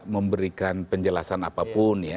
memberikan penjelasan apapun